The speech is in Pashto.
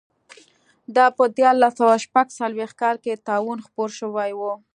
دا په دیارلس سوه شپږ څلوېښت کال کې طاعون خپور شوی و.